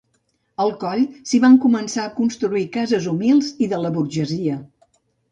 Al Coll s'hi van començar a construir cases humils i de la burgesia.